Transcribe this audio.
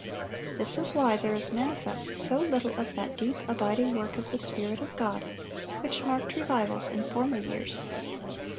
This is why there is manifest so little of that deep, abiding work of the Spirit of God which marked revivals in former years.